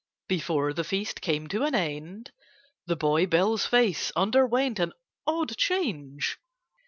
Before the feast came to an end the boy Bill's face underwent an odd change.